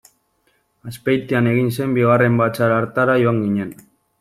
Azpeitian egin zen bigarren batzar hartara joan ginen.